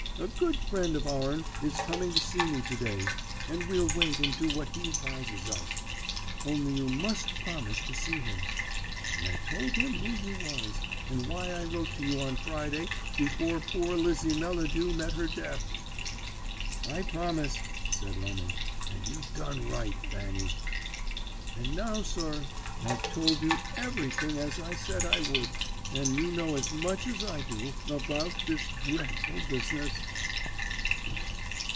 A good friend of our'n is coming to see me to day, and we'll wait and do what he advises us. Only you must promise to see him.' And I told him who you was, and why I wrote to you on Friday before poor Lizzie Melladew met her death. "'I promise,' said Lemon, 'and you've done right, Fanny.' "And now, sir, I've told you everything as I said I would, and you know as much as I do about this dreadful business."